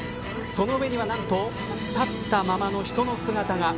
その上には何と立ったままの人の姿が。